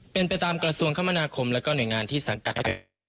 เป็นไปตามกระทรวงคมนาคมแล้วก็หน่วยงานที่สังกัด